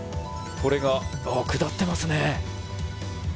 これが下っていますね。